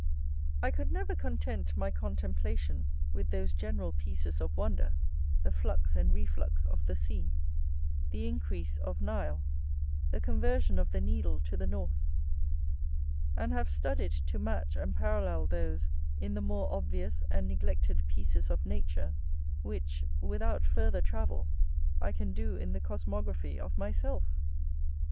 I could never content my contemplation with those general pieces of wonder, the flux and reflux of the sea, the increase of Nile, the conversion of the needle to the north; and have studied to match and parallel those in the more obvious and neglected pieces of nature which, without farther travel, I can do in the cosmography of myself.